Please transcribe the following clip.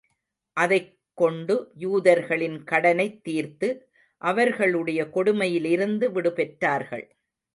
அதைக் கொண்டு யூதர்களின் கடனைத் தீர்த்து, அவர்களுடைய கொடுமையிலிருந்து விடுபெற்றார்கள்.